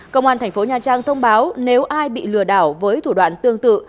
công an thành phố nha trang thông báo nếu ai bị lừa đảo với thủ đoạn tương tự